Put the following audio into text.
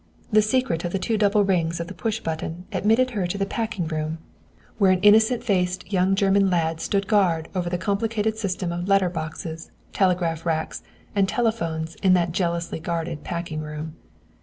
The secret of the two double rings of the push button admitted her to the "packing room," where an innocent faced young German lad stood guard over the complicated system of letter boxes, telegraph racks, and telephones in that jealously guarded "packing room."